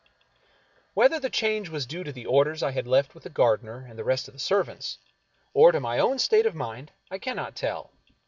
Whether the change was due to the orders I had left with the gardener and the rest of the servants, or to my own state of mind, I cannot tell.